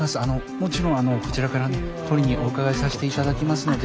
もちろんこちらから取りにお伺いさせて頂きますので。